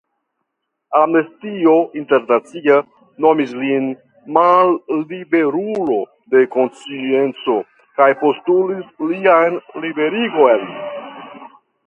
Amnestio Internacia nomis lin malliberulo de konscienco kaj postulis lian liberigon.